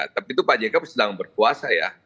tapi itu pak jk sedang berkuasa ya